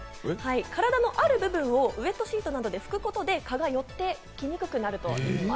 体のある部分をウエットシートなどで拭くことで蚊が寄ってきにくくなるといいます。